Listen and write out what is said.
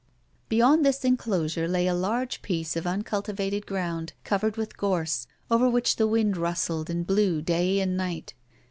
Beyond this enclosure lay a large piece of uncultivated ground covered with gorse, over which the wind rustled and blew day and night.